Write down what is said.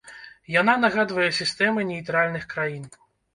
Яна нагадвае сістэмы нейтральных краін.